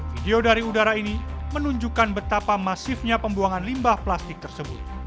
video dari udara ini menunjukkan betapa masifnya pembuangan limbah plastik tersebut